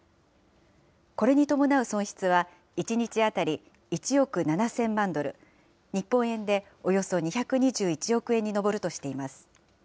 これに伴う損失は、１日当たり１億７０００万ドル、日本円でおよそ２２１億円に上るとしています。